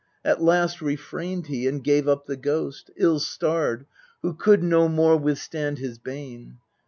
At last refrained he, and gave up the ghost, Ill starred, who could no more withstand his bane.